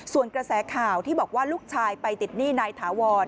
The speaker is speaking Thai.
ส่วนกระแสข่าวที่บอกว่าลูกชายไปติดหนี้นายถาวร